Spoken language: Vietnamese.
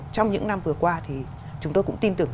trong những năm vừa qua thì chúng tôi cũng tin tưởng